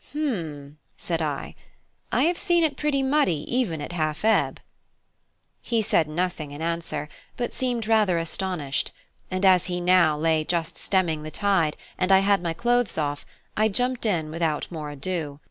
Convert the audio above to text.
"H'm," said I, "I have seen it pretty muddy even at half ebb." He said nothing in answer, but seemed rather astonished; and as he now lay just stemming the tide, and I had my clothes off, I jumped in without more ado.